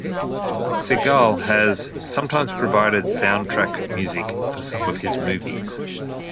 Seagal has sometimes provided soundtrack music for some of his movies.